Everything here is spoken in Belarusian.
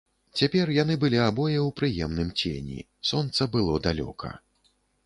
Цяпер яны былі абое ў прыемным цені, сонца было далёка.